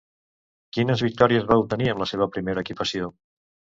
Quines victòries va obtenir amb la seva primera equipació?